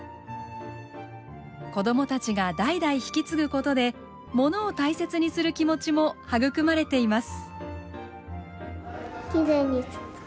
子供たちが代々引き継ぐことでものを大切にする気持ちも育まれています。